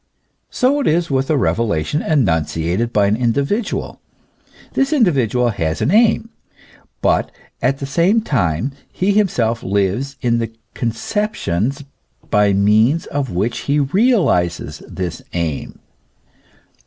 So it is with a revelation enunciated by an in dividual. This individual has an aim ; but at the same time he himself lives in the conceptions by means of which he realizes this aim.